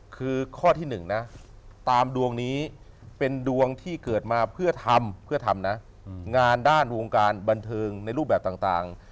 คือข้อที่๑นะตามดวงนี้เป็นดวงที่เกิดมาเพื่อทำเพื่อทำนะงานด้านวงการบันเทิงในรูปแบบต่าง